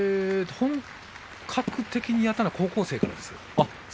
本格的にやったのは高校生からですね。